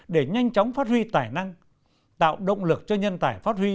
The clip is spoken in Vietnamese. để nhanh chóng phát huy tài năng tạo động lực cho nhân tài phát huy